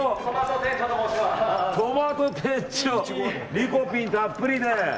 リコピンたっぷりで。